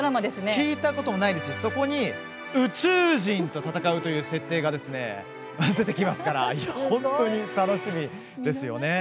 聞いたことないんですけれどもそこに宇宙人と戦うということが出てきますから非常に楽しみですよね。